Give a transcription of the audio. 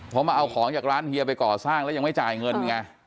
เพราะมาเอาของจากร้านเฮียไปก่อสร้างแล้วยังไม่จ่ายเงินไง